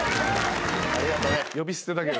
ありがとね。